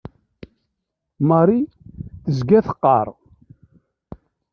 Marie tezga teqqar.